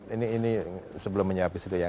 ini sebelum menjawab disitu ya